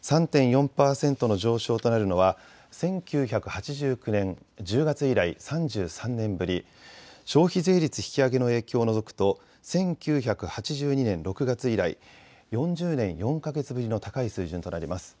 ３．４％の上昇となるのは１９８９年１０月以来３３年ぶり、消費税率引き上げの影響を除くと１９８２年６月以来４０年４か月ぶりの高い水準となります。